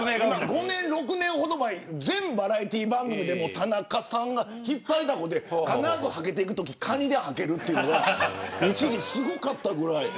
５年、６年ほど前全バラエティー番組で田中さんが引っ張りだこで必ず、はけていくときにカニで、はけるっていうのが一時すごかったぐらい。